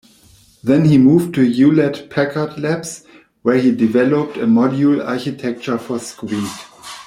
Then he moved to Hewlett-Packard Labs, where he developed a module architecture for Squeak.